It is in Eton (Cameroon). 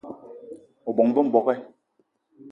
O bóng-be m'bogué!